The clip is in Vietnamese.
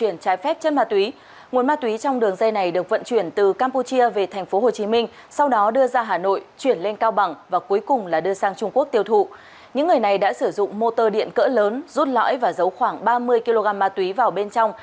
những người này đã sử dụng motor điện cỡ lớn rút lõi và giấu khoảng ba mươi kg ma túy vào bên trong